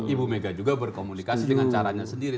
ibu mega juga berkomunikasi dengan caranya sendiri